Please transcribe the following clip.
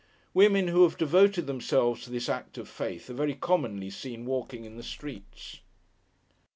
Women who have devoted themselves to this act of Faith, are very commonly seen walking in the streets.